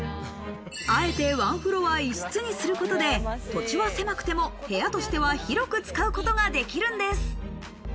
あえてワンフロア一室にすることで、土地は狭くても部屋としては広く使うことができるんです。